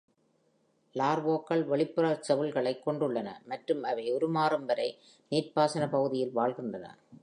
லார்வாக்கள் வெளிப்புறக் செவுள்களைக் கொண்டுள்ளன, மற்றும் அவை உருமாறும் வரை நீர்ப்பாசன பகுதியில் வாழ்கின்றன.